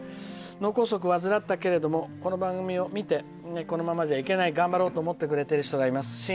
脳梗塞を患ったけれどもこの番組を見てこのままじゃいけない頑張ろうと思ってくれる人がいます。